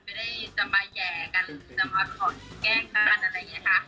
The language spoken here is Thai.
ไม่ได้จะมาแห่กันหรือจะมาถอนแกล้งกันอะไรอย่างนี้ค่ะ